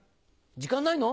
時間ないの？